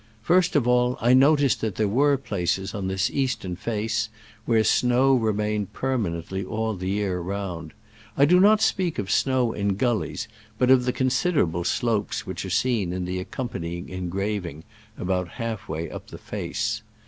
First of all, I noticed that there were places on this eastern face where snow remained permanently all the year round. I do not speak of snow in gullies, but of the considerable slopes which are seen in the accompanying engraving about half way up the face.